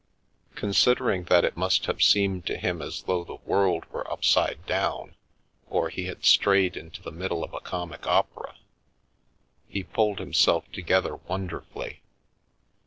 Considering that it must have seemed to him as though the world were upside down, or he had strayed into the middle of a comic opera, he pulled himself together won derfully.